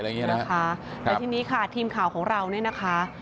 แต่ทีนี้ค่ะทีมข่าวของเราเนี่ยนะคะ